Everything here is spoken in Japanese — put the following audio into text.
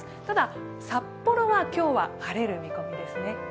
ただ、札幌は今日は晴れる見込みですね。